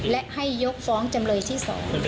และให้ยกฟ้องจำเลยที่๒